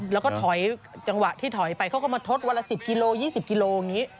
แล้วก็จังหวะที่ถอยไปเขาก็มาทดวันละสิบกิโลดิง